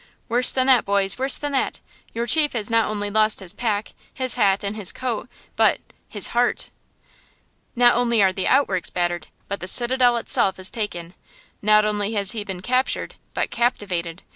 "Worse than that, boys! worse than that! Your chief has not only lost his pack, his hat and his coat, but–his heart! Not only are the outworks battered, but the citadel itself is taken! Not only has he been captured, but captivated!